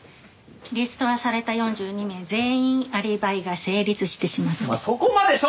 リストラされた４２名全員アリバイが成立してしまって。